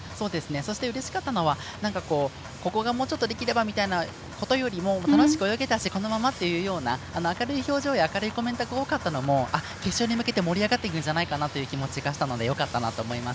そしてうれしかったのはここがもうちょっとできればみたいなことより楽しく泳げたしこのままっていうような明るい表情や明るいコメントが多かったのも決勝に向けて盛り上がっていくんじゃないかと思うのでよかったなと思います。